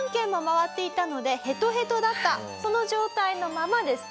その状態のままですね